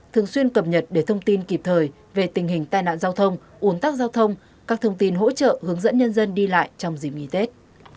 thường xuyên cập nhật để thông tin kịp thời về tình hình tai nạn giao thông ủn tắc giao thông các thông tin hỗ trợ hướng dẫn nhân dân đi lại trong dịp nghỉ tết